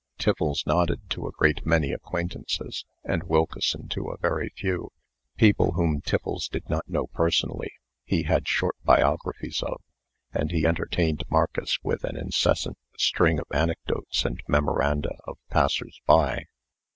Tiffles nodded to a great many acquaintances, and Wilkeson to a very few. People whom Tiffles did not know personally, he had short biographies of, and he entertained Marcus with an incessant string of anecdotes and memoranda of passers by.